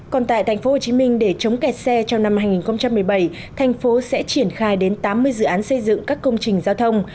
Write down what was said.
còn tại tp hcm để chống kẹt xe trong năm hai nghìn một mươi bảy thành phố sẽ triển khai đến tám mươi dự án xây dựng các công trình giao thông